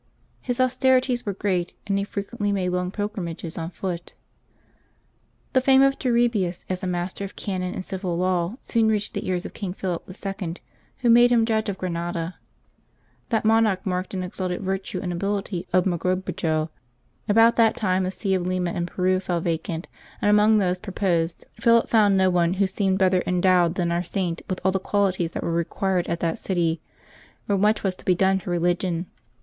His austerities were great, and he frequently made long pilgrimages on foot. The fame of Turribius as a master of canon and civil law soon reached the ears of King Philip IL, who made him judge at Granada. That monarch marked the exalted virtue and ability of Mogrobejo. About that time the see of Lima, in Peru, fell vacant, and among those proposed Philip found 396 LIVES OF TEE SAINTS no one who seemed better endowed than our Saint with all the qualities that were required at that city, where much was to be done for religion.